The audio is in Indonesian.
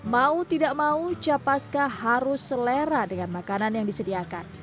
mau tidak mau capaska harus selera dengan makanan yang disediakan